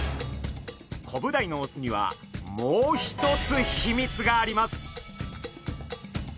コブダイのオスにはもう一つ秘密があります。